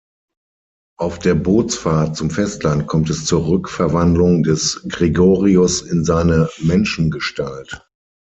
Auf der Bootsfahrt zum Festland kommt es zur Rückverwandlung des Gregorius in seine Menschengestalt.